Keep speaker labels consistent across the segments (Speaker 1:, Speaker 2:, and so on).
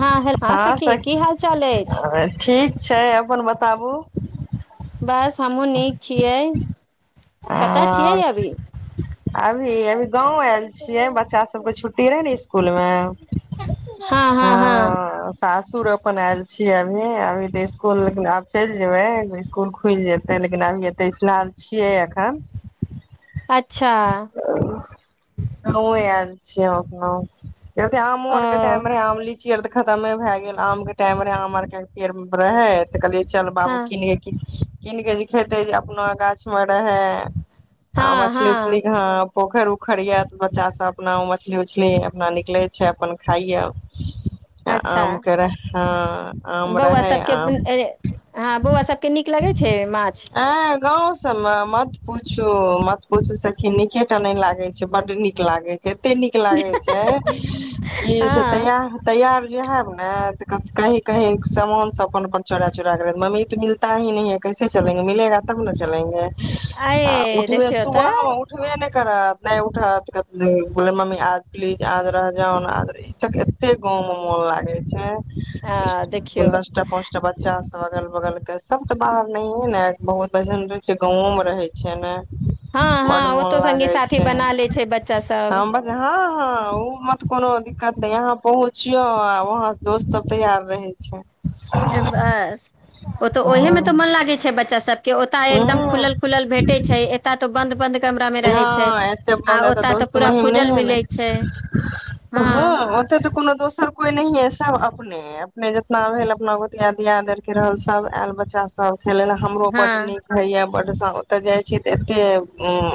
Speaker 1: हँ हेलो
Speaker 2: हँ
Speaker 1: सखी की
Speaker 2: सखि
Speaker 1: हाल चाल अछि
Speaker 2: ठीक छै अपन बताबू
Speaker 1: बस हमहूँ नीक छियै कतय छियै
Speaker 2: आओर
Speaker 1: अभी
Speaker 2: अभी अभी गाँव आयल छियै बच्चा सभके छुट्टी रहै ने स्कूल में हँ
Speaker 1: हँ हँ हँ
Speaker 2: सास सासुर अपन आयल छियै अभी अभी ते स्कूल लेकिन आब चलि जेबे स्कूल खुल जेते लेकिन आब अभी एतय फिलहाल छियै एखन
Speaker 1: अच्छा
Speaker 2: हमहू आयल छियै हम अपना एतय आमो
Speaker 1: ओ
Speaker 2: आर के टाइम रहे आमो लिच्ची लिच्ची और त खतमे भय गेलै आम के टाइम रहय आम आर के पेड़ मे रहय तऽ कहलियै चल बाबू
Speaker 1: हँ
Speaker 2: कीन कीन कीन के जे खेते जे अपना गाछ मे रहे
Speaker 1: हँ
Speaker 2: चलि चलि
Speaker 1: हँ
Speaker 2: गाम पोखरि उखरि यै तऽ बच्चा सब अपना ओ मछली उछली अपना निकले छै अपन खाइयै
Speaker 1: अच्छा
Speaker 2: आमके रह हँ आम
Speaker 1: बौआ
Speaker 2: रहै
Speaker 1: सबके अपन-
Speaker 2: आम
Speaker 1: ए, हँ बौआ सभके नीक लगै छै माछ
Speaker 2: ए गाँंव सब मे मत पूछू मत पूछू सखी निके टा नहि लागे छै बड्ड नीक लागे छै एते नीक लागे छै कि से
Speaker 1: हँ
Speaker 2: तैयार तैयार इ हैब ने त कही कही समान सब अपन अपन चोरा चोरा कर मम्मी तऽ मिलता ही नहि है कैसे चलेंगे मिलेगा तब ने चलेंगे
Speaker 1: आ यैय देखियौ
Speaker 2: ओ
Speaker 1: तऽ
Speaker 2: हम उठबे नहि करत नहि उठत बोलत मम्मी आज रह जाओ न प्लीज आज रह जाते गाँव मे मन लागे
Speaker 1: आ
Speaker 2: छै
Speaker 1: देखियौ
Speaker 2: दशटा पाँचटा बच्चा अगल बगल के सब तऽ बाहर नहिए ने बहुत वजन रह छै गाँवो मे रहे छै ने
Speaker 1: हँ
Speaker 2: बड्ड
Speaker 1: हँ ओ
Speaker 2: मोन
Speaker 1: तो संगी
Speaker 2: लागै
Speaker 1: साथी
Speaker 2: छै
Speaker 1: बना ले छै बच्चा
Speaker 2: हम हँ हँ
Speaker 1: सब
Speaker 2: ओ मत कोन कोनो दिक्कत यहाँ पहुँचियौ आ वहां दोस्त सब तैयार रहै छै
Speaker 1: बस ओ तऽ ओही मे तऽ मन लागै छै बच्चा सब के ओताय एकदम
Speaker 2: हँ
Speaker 1: खुलल खुलल भेटे छै एत तो बन्द बन्द कमरा मे रहे छै
Speaker 2: हँ एते
Speaker 1: आ
Speaker 2: बन्द एते
Speaker 1: ओता तऽ
Speaker 2: दोस्त
Speaker 1: पूरा
Speaker 2: महिम
Speaker 1: खुजल
Speaker 2: नहि हने
Speaker 1: मिलै छै
Speaker 2: हँ ओते तऽ कोनो दोसर कोइ नहिए सब अपने अपने जतना भेल अपना गोतिया दियादरके रहल सब आयल बच्चा सब खेलय लए हमरो बड्ड
Speaker 1: हँ
Speaker 2: नीक होइयै बड्ड ओते जाय छी तऽ एते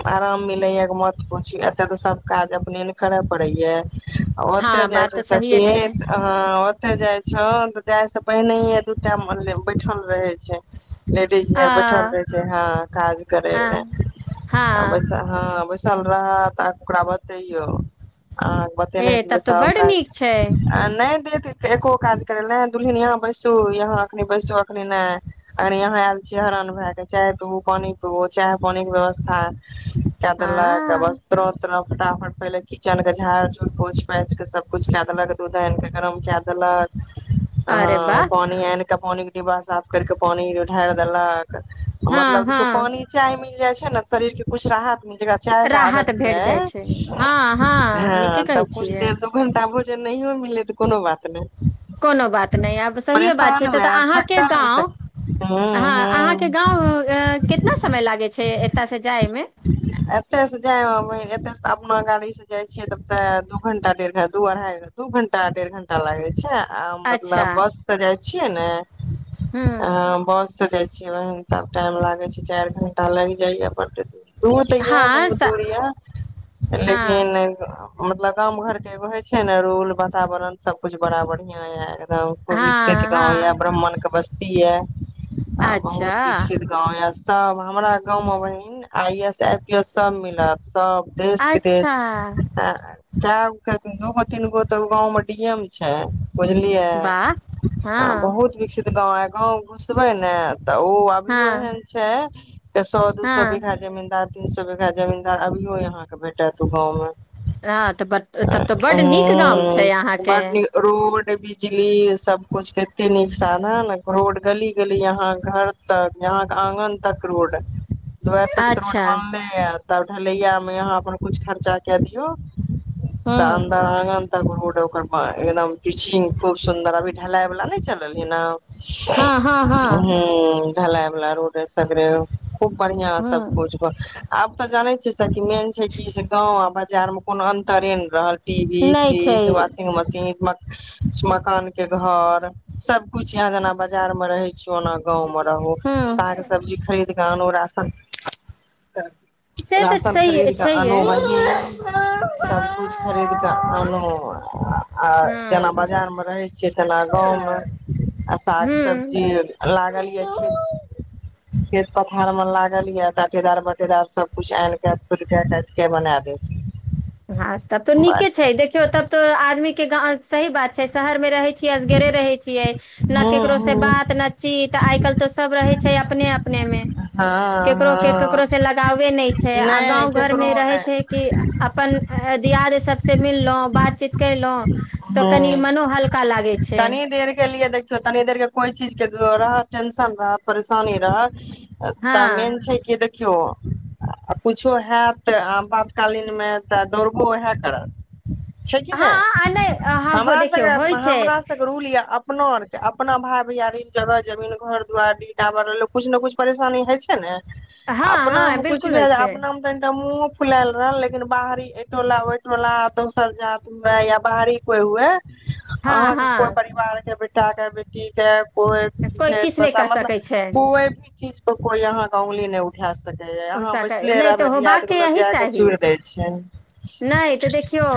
Speaker 2: आराम मिले या मत पूछ एते ते सब काज अपने खड़ा पड़ै है ओतऽ
Speaker 1: हँ
Speaker 2: जाइ
Speaker 1: बात तऽ
Speaker 2: छू
Speaker 1: सहिए
Speaker 2: सखी
Speaker 1: छै
Speaker 2: हँ ओते जाइ छौ तऽ जाइ से पहिनए दू टा बैठल रहै छै लेडीज
Speaker 1: आ
Speaker 2: बैठल रहे छै हँ काज करे
Speaker 1: आ
Speaker 2: ले
Speaker 1: हँ
Speaker 2: बइस ह बइस बैसल रहत आर ओकरा बतैयो अहाँ बतेने
Speaker 1: ए
Speaker 2: जेबै
Speaker 1: तब तो
Speaker 2: सब
Speaker 1: बड
Speaker 2: काज
Speaker 1: नीक छै
Speaker 2: आ नहि देत एको काज करे दुल्हिन यहाँ बैसु यहा अखनी बैसु अखनी ने अखनी यहा आयल छियै हरान भए चाहि पो पानि प चाहे पानिक के व्यवस्था कय देलक आ
Speaker 1: हँ
Speaker 2: बस तुरन्त मे फटाफट पहिले किचन के झाड़ झूड़ पोछि पाछि के सबकुछ कऽ देलक दूध आनि कऽ गरम कए देलक
Speaker 1: अरे
Speaker 2: ह
Speaker 1: वाह
Speaker 2: पानि आनिकऽ पानि डिब्बा साफ करिक पानि ढारि देलक
Speaker 1: हँ
Speaker 2: मतलब देखियौ
Speaker 1: हँ
Speaker 2: पानि चाय मिल जाइ छै ने शरीर के कुछ राहत मिल जेकरा चाय के आदत
Speaker 1: राहत भेट
Speaker 2: छै
Speaker 1: जाइ हँ हँ नीके
Speaker 2: ह
Speaker 1: कहै
Speaker 2: तब कुछ
Speaker 1: छियै
Speaker 2: देर दू घंटा जे नहियो मिलै तऽ कोनो बात नहि
Speaker 1: कोनो बात नहि सहिए बात
Speaker 2: परेशान
Speaker 1: छै तू
Speaker 2: मे
Speaker 1: अहाँ के
Speaker 2: थकल
Speaker 1: गांव
Speaker 2: मे हूं हूं
Speaker 1: गाँव कितना समय लागे छै एतय से जायमे
Speaker 2: एतऽ से जाय आबै मे अपना गाड़ी से जाय छियै तब ते दू घंटा डेढ़ घंटा दू अढ़ाई घंटा दू घंटा डेढ़ घंटा लागे छै आ
Speaker 1: अच्छा
Speaker 2: मतलब बस से जाइ छियै ने
Speaker 1: हूँ
Speaker 2: बस से जाइ छी तब टाइम लागे छै चारि घंटा लागि जाइयए बड्ड दूर दूर तऽ यै
Speaker 1: हँ
Speaker 2: बहुत
Speaker 1: स
Speaker 2: दूर यए
Speaker 1: हँ
Speaker 2: लेकिन मतलब गामं घर के एगो होय छै ने रोल वातावरण सब कुछ बड़ा बढ़िया यै गाउँ के विकसित
Speaker 1: हँ
Speaker 2: गांव ये
Speaker 1: हँ
Speaker 2: ब्राह्मण के बस्ती यै
Speaker 1: अच्छा
Speaker 2: बहुत विकसित गांव सब हमरा गाँव मे बहिन I A S I P S सब मिलत सब देश
Speaker 1: अच्छा
Speaker 2: विदेश आ कए गो दूगो तीन गो तऽ गांव में डी एम छै बुझलियै
Speaker 1: वाह हँ
Speaker 2: बहुत विकसित गाँव ह गाँव घुसबै ने तऽ ओ अभियो
Speaker 1: हँ
Speaker 2: एहन छै के सौ दू सौ
Speaker 1: हँ
Speaker 2: बीघा जमींदार तीन सौ बीघा जमीन्दार अभियो यहाँ के भेटत ओ गाँव में
Speaker 1: हँं तऽ ब तब तऽ बड नीक गाम छै
Speaker 2: ह
Speaker 1: आहाँ के
Speaker 2: बड नीक रोड बिजली सब कुछ के एते नीक साधन रोड गली गली यहा घर तक यहां के आंगन तक रोड दुआरि तक त रोड
Speaker 1: अच्छा
Speaker 2: बनले ऐत तब ढलैया मे यहा अपन कुछ खर्चा क दियो तऽ
Speaker 1: हँ
Speaker 2: अन्दर आंगन रोड ओकर एकदम पिचिंग खूब सुंन्दर अभी ढलाई वाला नहि चल हे ने
Speaker 1: हँ हँ हँ
Speaker 2: हूं ढलाई वाला रोड सगरे खूब बढ़िया सब
Speaker 1: हँ
Speaker 2: कुछ आब तऽ जाने छियै सखी मेन छै की कि से गांव आ बाजार में कोनो अंतरे ने रहल टी वी
Speaker 1: नहि छै
Speaker 2: फ्रिज वाशिंग मशीन मकान के घर सब कुछ यहाँ जेना बाजार मे रहे छै कोना गाँव मे रहू
Speaker 1: हँ
Speaker 2: साग सब्जी खरीद क आनू राशन
Speaker 1: से तऽ
Speaker 2: राशन
Speaker 1: छैहे
Speaker 2: खरीद कऽ
Speaker 1: छैहे
Speaker 2: आनू सबकिछु खरीद कऽ आनू आ जेना
Speaker 1: हँ
Speaker 2: बाजार मे रहै छ खेतना गाँवमे आ साग
Speaker 1: हूँ
Speaker 2: सब्जी लागल यै खेत मे खेत पथार मे लागल यै तटेदार बटेदार सबकुछ आनि के तोड़िके काटि के बना देत
Speaker 1: हँ तब तऽ नीके छै देखियौ तब तऽ आदमी के गाँव सही बात छै शहरमे रहैत छै असगरे रहै छियै ने
Speaker 2: हूं
Speaker 1: केकरो से
Speaker 2: हूं
Speaker 1: बात न चीत आइ कल्हि तो सब रहै छै अपने अपने अपनेमे
Speaker 2: हँ
Speaker 1: ककरो के
Speaker 2: हँ
Speaker 1: ककरोसँ लगावे नहि छै आ
Speaker 2: नहि
Speaker 1: गाँव
Speaker 2: केकरो
Speaker 1: घरमे रहै छै
Speaker 2: नहि
Speaker 1: कि अपन दियाद सब से मिल लों बातचीत कयलहुँ तऽ कनि
Speaker 2: ह
Speaker 1: मनो हल्का लागै छै
Speaker 2: तनी देर के लिए देखियौ तनी देर के कोइ चीज के रह टेंशन रह परेशानी रह तऽ
Speaker 1: हँ
Speaker 2: मेन छै कि देखियौ आ किछो हत आपातकालीनमे तऽ दौड़बो उएह करत छै कि
Speaker 1: हँ आ
Speaker 2: नहि
Speaker 1: ह
Speaker 2: हमरा
Speaker 1: देखियौ होइ
Speaker 2: सभके
Speaker 1: छै
Speaker 2: हमर सभके रूल य अपना आर के अपना भााय भैयारी जबह जमीन घर दुआरि बर कुछ ने कुछ परेशानी हय छै ने
Speaker 1: हँ हँ
Speaker 2: अपनामे कुछ
Speaker 1: बिलकुल
Speaker 2: भी
Speaker 1: होइ छै
Speaker 2: अपनामे मुँह फुलाल रहल लेकिन बाहरी टोला ओहि टोला दोसर जात हुए या बाहरी कोई हुए
Speaker 1: हँ
Speaker 2: अहाँके
Speaker 1: हँ
Speaker 2: कोइ परिवार के बेटाके बेटीके कोइ
Speaker 1: कोइ किछु नहि
Speaker 2: पता
Speaker 1: कऽ
Speaker 2: मतलब
Speaker 1: सकै छै
Speaker 2: कोई भी चीज पर कोइ यहा कोई अंगुली नहि उठा स सकै
Speaker 1: ओ
Speaker 2: अहाँ
Speaker 1: सकै
Speaker 2: बैसले
Speaker 1: नहि तऽ
Speaker 2: रहबै
Speaker 1: होबाक
Speaker 2: दियादु के लो
Speaker 1: यही
Speaker 2: जाय के
Speaker 1: चाही
Speaker 2: चूड़ देै छै
Speaker 1: नहि तऽ देखियौ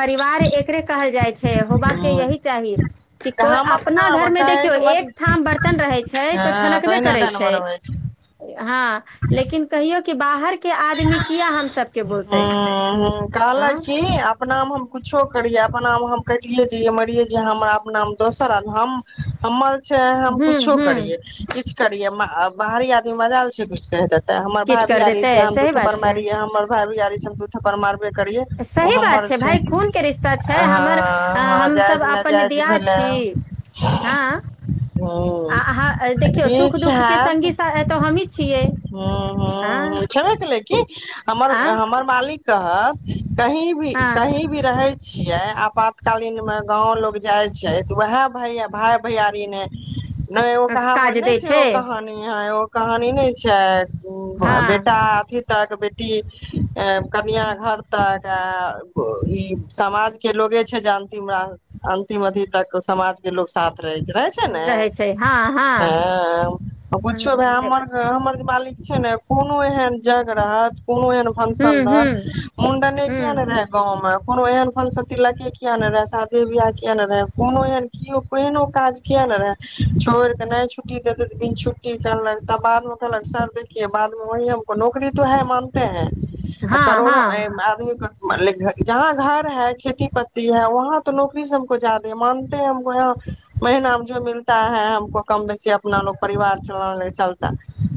Speaker 1: परिवार एकरे कहल जाइ छै होबाके
Speaker 2: ह
Speaker 1: यही चाही कि
Speaker 2: तऽ
Speaker 1: कोइ
Speaker 2: हम
Speaker 1: अपना
Speaker 2: मे
Speaker 1: घरमे देखियौ
Speaker 2: काहेके
Speaker 1: एक
Speaker 2: मतलब
Speaker 1: ठाम बर्तन रहै छै तऽ
Speaker 2: हँ
Speaker 1: ठनबे
Speaker 2: तहिना
Speaker 1: करै
Speaker 2: डन
Speaker 1: छै
Speaker 2: बनबै
Speaker 1: ह लेकिन कहियो बाहर के आदमी किया हम सब के बोलतेैय
Speaker 2: ह ह कहल च अपनामे हम कुछो करियै अपनामे हम कटिये जइै मरियै जे हमर अपनामे दोसर आ हम हमर छै हम
Speaker 1: हूँ
Speaker 2: कुछो
Speaker 1: हूँ
Speaker 2: करियै किछु करिये बाहरी आदमी मजा छै कुछ कह दे ते हमर
Speaker 1: किछु
Speaker 2: भाभी
Speaker 1: कर देतै
Speaker 2: छै हम दू
Speaker 1: सही
Speaker 2: थप
Speaker 1: बात
Speaker 2: पर
Speaker 1: छै
Speaker 2: मारीे हमर भाभी छै हम दू थप पर मार
Speaker 1: सही बात छै भाय खूनके रिश्ता छै
Speaker 2: हँ
Speaker 1: हमर
Speaker 2: हँ
Speaker 1: हमस
Speaker 2: जायज
Speaker 1: अपन
Speaker 2: नाजायज
Speaker 1: दिय
Speaker 2: भेलै
Speaker 1: छी की हँ
Speaker 2: हूँ
Speaker 1: आ अहाँ देखियौ सुख
Speaker 2: किछ
Speaker 1: दुःख के संगी सा एतऽ हमही छियै
Speaker 2: हँ
Speaker 1: आ
Speaker 2: हँ छबे केलय की
Speaker 1: आ
Speaker 2: हमर मालिक कहब कही भी कही भी रहेय छियै आपातकालीनमे गाँव लोग जाइ छै तऽ उएह भैय भाय भैयारी ने नहि ओ
Speaker 1: हँ
Speaker 2: कहावत
Speaker 1: काज
Speaker 2: ने
Speaker 1: दै
Speaker 2: छै ओ कहानी ह ओ कहानी नहि छै
Speaker 1: हँ
Speaker 2: बेटा अथी तक बेटी कनियां घर तक तऽ ई समाज के लोगे छै जे अंतिम अंतिम अथी तक समाज जे लोक साफ रहै छै ने
Speaker 1: रहै छै हँ
Speaker 2: हँ पुछो भाय हमर
Speaker 1: हू
Speaker 2: हमर मालिक छै ने कोनो एहन जग रहत कोनो एहन फंक्शन
Speaker 1: हू
Speaker 2: रह मुंडने
Speaker 1: हू
Speaker 2: किया ने रहे गाँव मे कोनो एहन फनसती लके किया ने रहे शादे बियाह किया ने रहे कोनो एहन केओ केहनो काज किया रहय छोड़ देनाय नहि छुट्टी देे छुट्टीलक त बाद मे कहलक सर देखिये बाद मे ओही नौकरी तो है मानते है
Speaker 1: हँ हँ
Speaker 2: करोड़ो आदमी मतल जहाँ घर है खेती प्ती है वहाँ तो नौकरी से हमको जादे है मानतेै हमको यहाँ महिनामे जो मिलता है हमको कम बेसी अपना ल परिवार चल चलता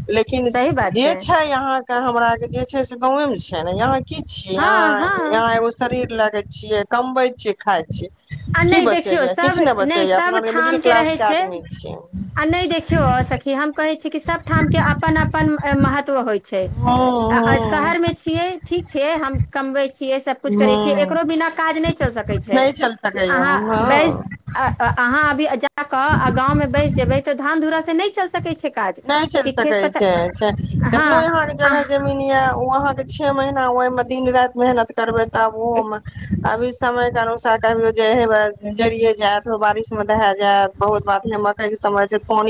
Speaker 2: लेकिन
Speaker 1: सही बात
Speaker 2: जे छै यहां के हमरा के जे छै से गांव मे छै ने यहा की छी
Speaker 1: हँ
Speaker 2: यहा
Speaker 1: हँ
Speaker 2: यहाँ एगो शरीर लगे छियै कमबै छियै खाय
Speaker 1: आ
Speaker 2: छियै की
Speaker 1: नहि देखियौ
Speaker 2: बचैया
Speaker 1: सभ
Speaker 2: किछु नहि बचैए अपना
Speaker 1: सभ
Speaker 2: आरके मिडिल
Speaker 1: ठाम
Speaker 2: क्लास
Speaker 1: रहै
Speaker 2: के
Speaker 1: छै
Speaker 2: आदमी छियै
Speaker 1: आ नहि देखियो सखी हम कहे छी कि सब ठाम के अपन अपन महत्व होइ छै
Speaker 2: हँ हँ
Speaker 1: शहर मे छियै ठीक छै हम कबै छियै सबकुछ करै छियै
Speaker 2: हँ
Speaker 1: एकरो बिना काज नहि चल सकै छै
Speaker 2: नहि चलि सकैया
Speaker 1: अहाँ
Speaker 2: हँ
Speaker 1: बस अहाँ अभी जाक गाँंव मे बैस जेबै त धान धूरासँ नहि चलि सकै छै काज
Speaker 2: नहि चलि
Speaker 1: कि
Speaker 2: सकै
Speaker 1: खेत पता
Speaker 2: छै
Speaker 1: हँ
Speaker 2: केतनो यहाँके जगह
Speaker 1: आह,
Speaker 2: जमीन यऽ ओ अहाँके छे महीना ओहिमे दिन राति मेहनत करबै तब ओहोमे अभी समय के अनुसार को जे हे जरिये जायत बारिश मे दहा जायत बहुत बात हे मकई के समय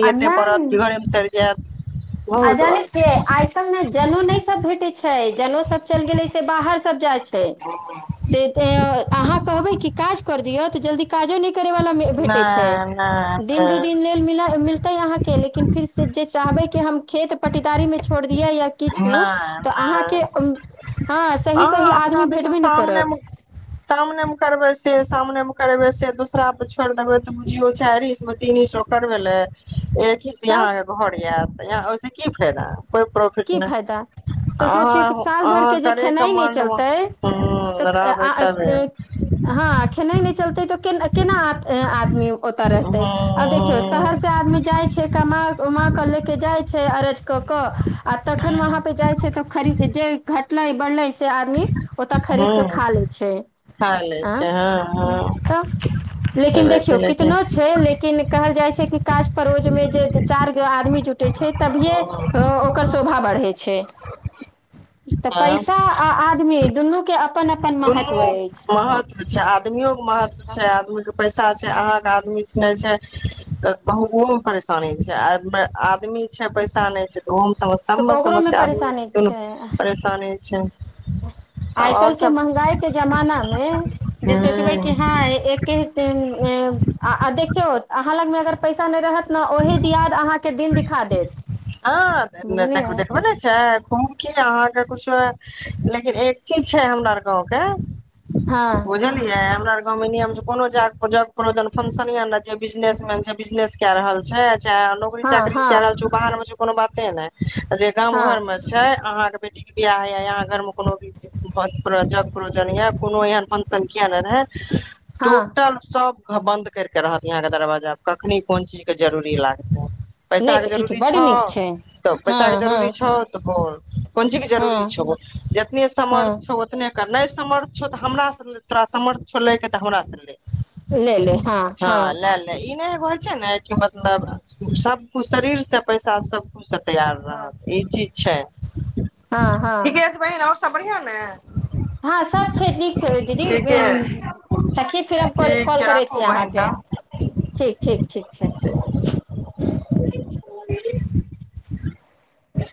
Speaker 1: आ नहि
Speaker 2: घरमे सरय जायब
Speaker 1: आ जानेिय छिय आइ कालल्हि ने जनेउ नहि सब भेटैत छै जने सब चलि गेलै से बाहर सब जाइ छै से त अहाँ कहबै कि काज कर दियअ तऽ जल्दी काजो नहि करै वाला भेटै छै
Speaker 2: नहि नहि
Speaker 1: दिन दू
Speaker 2: नहि
Speaker 1: दिन लेल मिल मिलतै अहाँके लेकिन फिर से जे चाहबै कि हम खेत पटीदारी मे छोड़ द किछ
Speaker 2: नहि
Speaker 1: तऽ अहाँके
Speaker 2: नहि
Speaker 1: ह सही सही आदमी भेटबे नहि करत
Speaker 2: सामनेमे करबै से सामनेमे करेब से दूसरा छोड़ देबूो चारस तीनस करबे
Speaker 1: तब
Speaker 2: यहाँके घर आयत यह ओहिस की फायदा कोइ प्रोफिट
Speaker 1: की फायदा
Speaker 2: नहि
Speaker 1: तऽ सोचियौ कि
Speaker 2: अहाँ
Speaker 1: साल
Speaker 2: अहाँ
Speaker 1: भरिके जे
Speaker 2: करे
Speaker 1: खेनाइ नहि
Speaker 2: कम्ड
Speaker 1: चलतै
Speaker 2: ह
Speaker 1: तऽ आ
Speaker 2: रहबै
Speaker 1: आ,
Speaker 2: तबे
Speaker 1: ए, हँ खेनाय नहि नहि चलतै त के केना आदमी ओत
Speaker 2: ह
Speaker 1: रहते आ देखियौ शहर से आदमी जाइ छै ल के जाइ छै बेचक क तखन वहाँ जा छै त खरीद जे घटलय बढ़लय आदमी ओत खरीदके खा ले छै
Speaker 2: खा लै छै हँ हँ
Speaker 1: अंत लेकिन
Speaker 2: छेबे
Speaker 1: देखियौ
Speaker 2: केलै कि
Speaker 1: कितनो छै लेकिन कहल जाइ छै कि काज परोज मे जे चारि गो आदमी जुट जुटे छै तभिये ओकर शोभा बढ़ै छै तऽ
Speaker 2: हँ
Speaker 1: पैसा आ आदमी दुनू के अपन अपन महत्व
Speaker 2: दुनू
Speaker 1: अछि
Speaker 2: महत्व छै आदमियो के महत्व छै आदमीे के पैसा छै अहाँके आदमी सु नहि छै कहु मे परेशानी छै आ आदमी छै पैसा नहि छै तऽ ओहो सभ
Speaker 1: तऽ
Speaker 2: मे
Speaker 1: ओकरोमे
Speaker 2: समस्या आदमी
Speaker 1: परेशानी
Speaker 2: को परेशानी छै तब
Speaker 1: आइकल
Speaker 2: आओर
Speaker 1: छै
Speaker 2: सब
Speaker 1: म आइ के जमाना मे जे सोचबै कि
Speaker 2: हूँ
Speaker 1: हँ एके [unintelligible] आ देखियौ अहाँ लग अगर पैसा नहि रहत ने ओहे दियाद अहाँ
Speaker 2: ह
Speaker 1: बुझलियै
Speaker 2: देखब नाइ छै आ घूम की अहाँके कछो लेकिन एक चीज छै हमरा गाँव के
Speaker 1: हँ
Speaker 2: बुझलियै हमरा आर गाँवमे नियम छै कोनो [unintelligible] कर फंक्शन बिनेस बिजनेस कए रहल छै नौकरी
Speaker 1: हँ
Speaker 2: चाकरी कए
Speaker 1: हँ
Speaker 2: रहल छौ बाहर में छ कोनो बाते नहि जे गाँव घर
Speaker 1: हँ
Speaker 2: में छै अहाँ के बेटी के बियाह हय य यहाँ घर में कोनो भीन या कोनो एहन फंक्शन किया ने रहे
Speaker 1: हँ
Speaker 2: टोटल सब बंन्द कर के रहत यहा के दरवाजा कखनी कोन चीज के जरूरी लागतै
Speaker 1: नहि
Speaker 2: पैसा के
Speaker 1: तऽ ई तऽ
Speaker 2: जरूरी
Speaker 1: बड्ड
Speaker 2: छौ
Speaker 1: नीक छै
Speaker 2: तऽ
Speaker 1: हँ
Speaker 2: पैसा के
Speaker 1: हँ
Speaker 2: जरूरी छौ तऽ बोल कोन ची क जरूरी
Speaker 1: हँ
Speaker 2: छ जतने समर्थ
Speaker 1: हँ
Speaker 2: छ उतने नहि समर्थ छौ तऽ हमराास तोरा समर्थ छ ले के तऽ हमरा से ले हँ लै ले ई नहि होइ छै ने कि मतलब सबछ शरीर से पैसा सबकुछ तैयार रहत ई चीज छै
Speaker 1: हँ हँ
Speaker 2: आओर सब बढीयां ने
Speaker 1: हँ सब छै नीक छै दीदी
Speaker 2: ठीके
Speaker 1: सखी फेर हम
Speaker 2: ठीक
Speaker 1: कॉल
Speaker 2: छै
Speaker 1: करै छी
Speaker 2: राखू बहिन
Speaker 1: अहाँके
Speaker 2: तब
Speaker 1: ठीक ठीक ठीक छै
Speaker 2: [unintelligible]